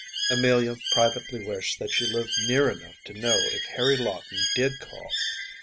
‚ÄĚ Amelia privately wished that she lived near enough to know if Harry Lawton did call.